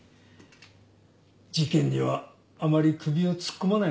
事件にはあまり首を突っ込まない方がいいですよ。